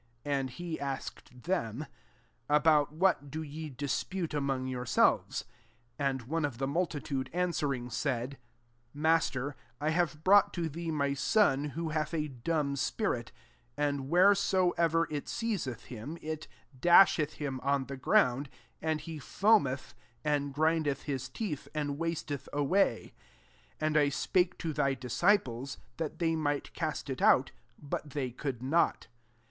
1 6 And he asked them, "./^dott/ what do ye dispute a mong yourselves ?" 17 And one of the multitude answering said» '* Master, I have brought to thee my son, who hath a dumb spirit*; 18 and wheresoever it seizeth him, it dasheth him on the ground ; and he foameth, and grindeth [his] teeth, and wasteth away : and I spake to thy disciples, that they might cast it out ; but they could not."